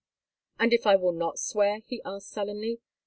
"And if I will not swear?" he asked sullenly.